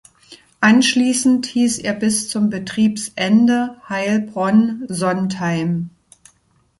Anschließend hieß er bis zum Betriebsende "Heilbronn-Sontheim".